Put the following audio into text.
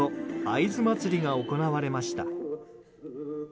会津まつりが行われました。